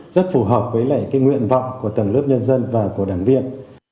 rất phù hợp với lại cái nguyện vọng của tầng lớp nhân dân và của đảng viên